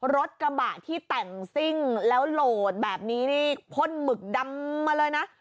รถกระบะที่แต่งซิ่งแล้วโหลดแบบนี้นี่พ่นหมึกดำมาเลยนะ